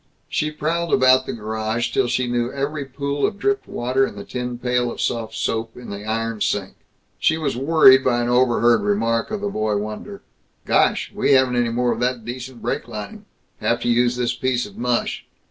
She prowled about the garage till she knew every pool of dripped water in the tin pail of soft soap in the iron sink. She was worried by an overheard remark of the boy wonder, "Gosh, we haven't any more of that decent brake lining. Have to use this piece of mush."